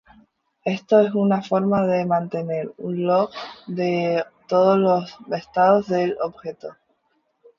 Esto es una forma de mantener un log de todos los estados del objeto.